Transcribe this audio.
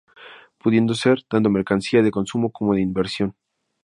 Pudiendo ser, tanto mercancía de Consumo como de Inversión.